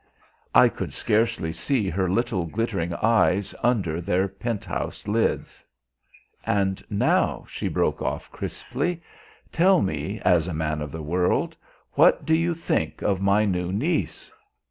I could scarcely see her little glittering eyes under their penthouse lids. "And now," she broke off crisply, "tell me, as a man of the world, what do you think of my new niece?"